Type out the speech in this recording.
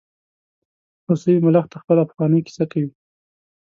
هوسۍ ملخ ته خپله پخوانۍ کیسه کوي.